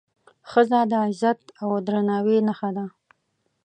ښځه د عزت او درناوي نښه ده.